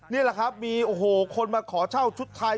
แบบว่าเกิดคนมาขอเช่าชุดไทย